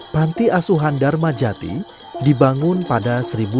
panti asuhan dharmajati dibangun pada seribu sembilan ratus delapan puluh tujuh